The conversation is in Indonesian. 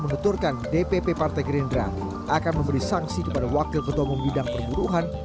mengatakan dpp partai gerindra akan memberi sanksi kepada wakil ketua pembidang perburuhan